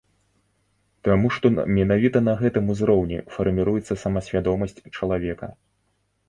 Таму што менавіта на гэтым узроўні фарміруецца самасвядомасць чалавека.